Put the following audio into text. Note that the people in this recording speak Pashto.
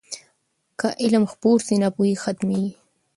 که علم خپور سي، ناپوهي ختمېږي.